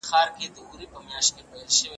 محصلین د خپلو کارونو لپاره ټایپنګ ته اړتیا لري.